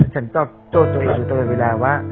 ฉันตอบตัวเองตัวเองตลอดเวลาว่า